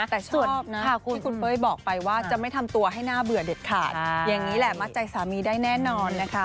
แต่สุดที่คุณเป้ยบอกไปว่าจะไม่ทำตัวให้น่าเบื่อเด็ดขาดอย่างนี้แหละมัดใจสามีได้แน่นอนนะคะ